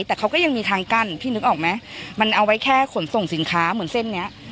แต่เขาก็ยังมีทางกั้นพี่นึกออกไหมมันเอาไว้แค่ขนส่งสินค้าเหมือนเส้นเนี้ย